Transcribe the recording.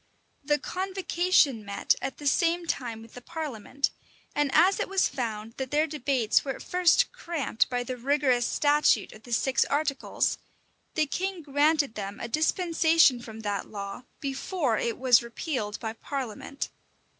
[*] The convocation met at the same time with the parliament and as it was found that their debates were at first cramped by the rigorous statute of the six articles, the king granted them a dispensation from that law, before it was repealed by parliament.